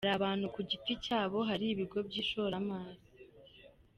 Hari abantu ku giti cyabo, hari ibigo by’ishoramari.